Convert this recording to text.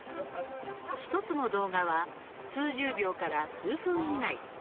１つの動画は数十秒から数分以内。